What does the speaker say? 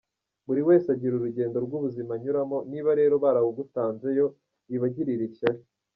Buri wese agira urugendo rw’ubuzima anyuramo, niba rero baragutanzeyo wibagirira ishyari.